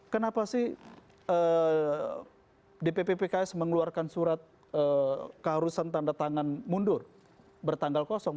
kenapa sih dpp pks mengeluarkan surat keharusan tanda tangan mundur bertanggal kosong